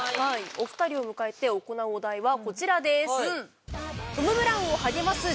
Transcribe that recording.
お二人を迎えて行うお題はこちらです。